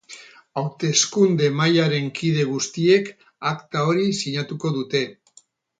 Hauteskunde-mahaiaren kide guztiek akta hori sinatuko dute.